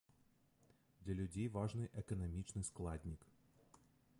Для людзей важны эканамічны складнік.